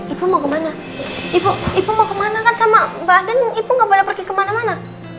ibu mau kemana ibu mau kemana kan sama badan ibu gak boleh pergi kemana mana